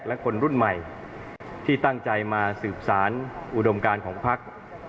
และคนรุ่นใหม่ที่ตั้งใจมาสืบสารอุดมการของพัก